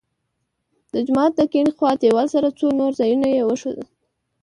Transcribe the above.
د جومات د کیڼې خوا دیوال سره څو نور ځایونه یې وښودل.